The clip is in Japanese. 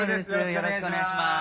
よろしくお願いします。